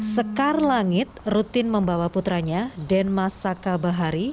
sekar langit rutin membawa putranya denmas saka bahari